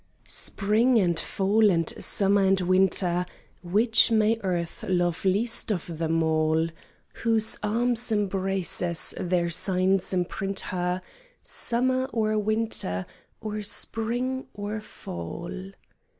XIV Spring, and fall, and summer, and winter, Which may Earth love least of them all, Whose arms embrace as their signs imprint her, Summer, or winter, or spring, or fall?